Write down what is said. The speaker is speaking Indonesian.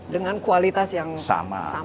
dengan kualitas yang sama